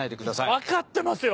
分かってますよ！